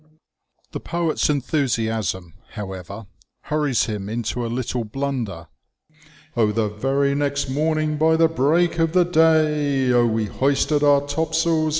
The poet's enthusiasm, however, hurries him into a little blunder :—Oh, the very next morning By the break of the day, Oh, we hoisted our topsails.